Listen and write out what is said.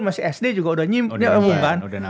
masih sd juga udah nyimpan